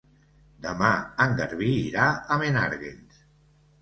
Demà en Garbí irà a Menàrguens.